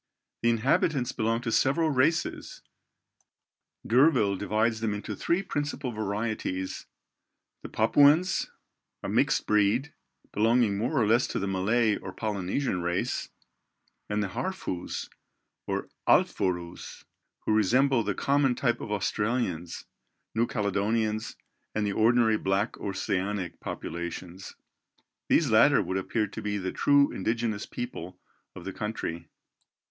The inhabitants belong to several races. D'Urville divides them into three principal varieties: the Papuans, a mixed breed, belonging more or less to the Malay or Polynesian race; and the Harfous or Alfourous, who resemble the common type of Australians; New Caledonians and the ordinary black Oceanic populations. These latter would appear to be the true indigenous people of the country.